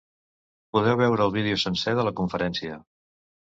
Podeu veure el vídeo sencer de la conferència.